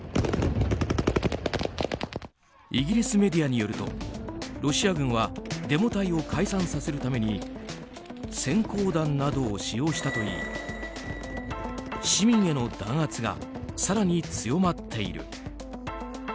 イギリスメディアによるとロシア軍はデモ隊を解散させるために閃光弾などを使用したといい市民への弾圧が更に強まっている。